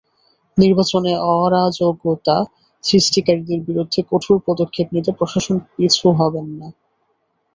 নির্বাচনে অরাজকতা সৃষ্টিকারীদের বিরুদ্ধে কঠোর পদক্ষেপ নিতে প্রশাসন পিছু হবে না।